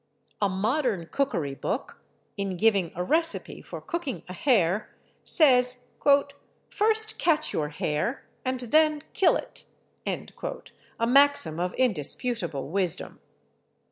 A modern cookery book, in giving a recipe for cooking a hare, says, "first catch your hare, and then kill it" a maxim of indisputable wisdom.